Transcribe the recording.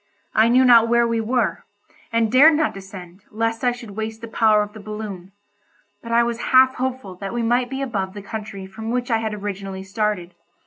I knew not where we were, and dared not descend, lest I should waste the power of the balloon, but I was half hopeful that we might be above the country from which I had originally started.